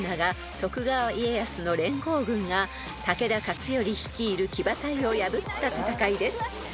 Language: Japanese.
徳川家康の連合軍が武田勝頼率いる騎馬隊を破った戦いです］